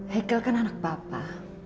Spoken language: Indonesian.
hekel kan anak papa